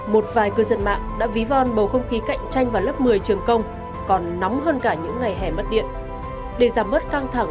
một vài cơn giận mạng đã ví von bầu không khí cạnh tranh vào lớp một mươi trường công còn nóng hơn cả những ngày hẻ mất điện